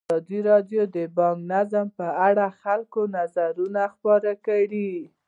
ازادي راډیو د بانکي نظام په اړه د خلکو نظرونه خپاره کړي.